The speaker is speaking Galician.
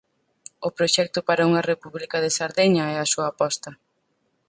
O proxecto para unha República de Sardeña é a súa aposta.